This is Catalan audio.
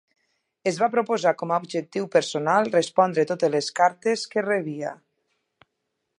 Es va proposar com a objectiu personal respondre totes les cartes que rebia.